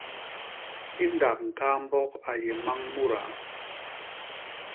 Kindak ñkaambok a yé mmañ mudaa.